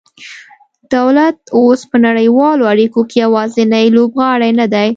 دولت اوس په نړیوالو اړیکو کې یوازینی لوبغاړی نه دی